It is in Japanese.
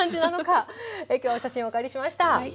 今日はお写真をお借りしました。